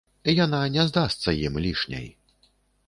Яна не здасца ім лішняй.